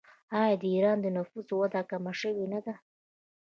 آیا د ایران د نفوس وده کمه شوې نه ده؟